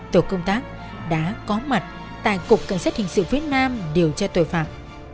tổ công tác đã có mặt tại cộng sách hình sự việt nam điều tra tội phạm